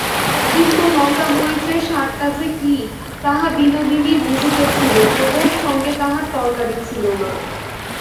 কিন্তু লঙ্কামরিচের স্বাদটা যে কী, তাহা বিনোদিনীই বুঝিতেছিল–কেবল সঙ্গে তাহার তরকারি ছিল না।